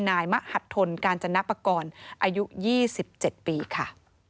นายมะหัดทนการจำนักประกอบอายุ๒๗ปีค่ะ